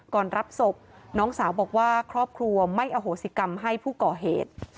รับศพน้องสาวบอกว่าครอบครัวไม่อโหสิกรรมให้ผู้ก่อเหตุ